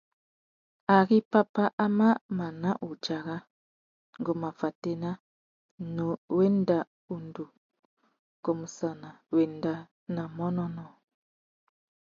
Ari pápá a mà mana udzara, ngu má fatēna, nnú wenda undú kumsana wenda nà manônōh.